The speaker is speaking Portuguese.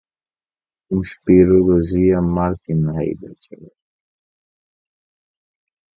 Conspirologia, Martin Heidegger